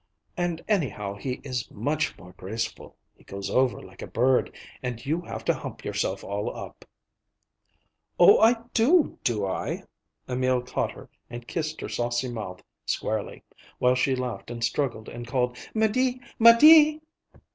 And anyhow, he is much more graceful. He goes over like a bird, and you have to hump yourself all up." "Oh, I do, do I?" Emil caught her and kissed her saucy mouth squarely, while she laughed and struggled and called, "'Médée! 'Médée!"